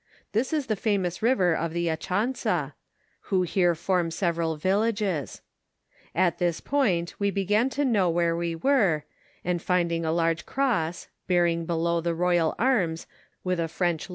This is the famous river of the Achansa, who here form several villages. At this point we began to know where we were, and finding a large cross, bearing below the royal arms, with a French 230 NARRATIVE OF FATTIER DOITAT.